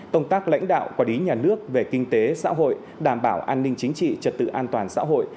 tổng tác lãnh đạo quả đí nhà nước về kinh tế xã hội đảm bảo an ninh chính trị trật tự an toàn xã hội